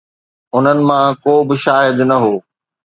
انهن مان ڪو به شاهد نه هو.